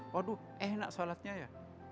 waduh enak shalatnya ya